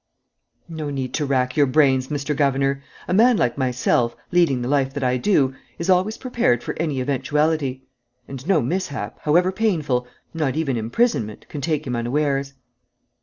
"No need to rack your brains, Mr. Governor. A man like myself, leading the life that I do, is always prepared for any eventuality: and no mishap, however painful not even imprisonment can take him unawares."